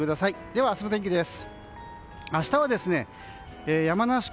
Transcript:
では明日の天気です。